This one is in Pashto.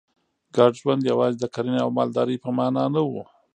ګډ ژوند یوازې د کرنې او مالدارۍ په معنا نه و.